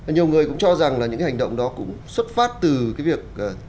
nhiều người cũng cho rằng là những cái hành động đó cũng xuất phát từ cái việc